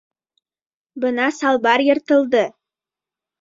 Бына салбар йыртылды!